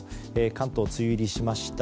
関東梅雨入りしました。